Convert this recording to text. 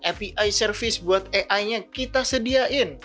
api service buat ai nya kita sediain